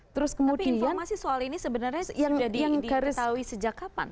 tapi informasi soal ini sebenarnya sudah diketahui sejak kapan